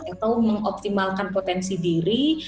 atau mengoptimalkan potensi diri